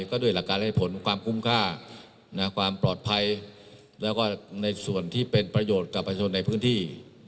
ก็ด้วยหลักการให้ผลความคุ้มค่าความปลอดภัยแล้วก็ในส่วนที่เป็นประโยชน์กับประชาชนในพื้นที่